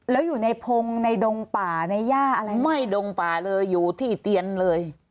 แล้วอยู่ในพงในดงป่าในย่าอะไรไม่ดงป่าเลยอยู่ที่เตียนเลย